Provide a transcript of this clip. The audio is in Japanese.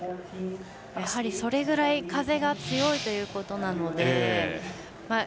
やはり、それぐらい風が強いということなので。